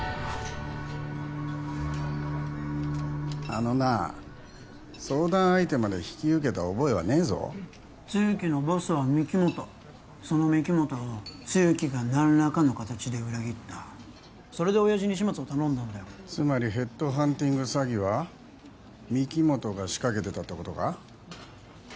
あのなあ相談相手まで引き受けた覚えはねえぞ露木のボスは御木本その御木本を露木が何らかの形で裏切ったそれで親爺に始末を頼んだんだよつまりヘッドハンティング詐欺は御木本が仕掛けてたってことか？